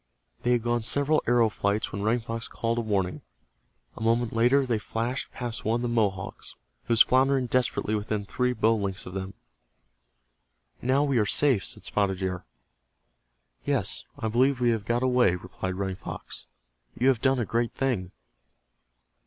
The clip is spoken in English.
They had gone several arrow flights when Running Fox called a warning. A moment later they flashed past one of the Mohawks, who was floundering desperately within three bow lengths of them. "Now we are safe," said Spotted Deer. "Yes, I believe we have got away," replied Running Fox. "You have done a great thing."